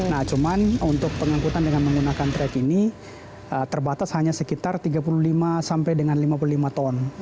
nah cuman untuk pengangkutan dengan menggunakan track ini terbatas hanya sekitar tiga puluh lima sampai dengan lima puluh lima ton